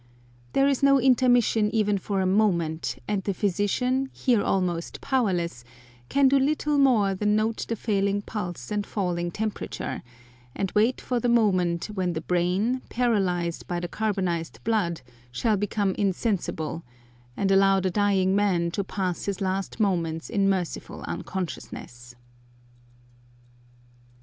There is no intermission even for a moment, and the physician, here almost powerless, can do little more than note the failing pulse and falling temperature, and wait for the moment when the brain, paralysed by the carbonised blood, shall become insensible, and allow the dying man to pass his last moments in merciful unconsciousness."